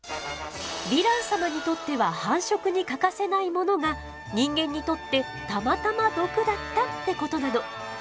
ヴィラン様にとっては繁殖に欠かせないものが人間にとってたまたま毒だったってことなの。